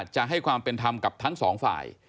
จะให้ความเป็นธรรมกับทั้งสองฝ่าย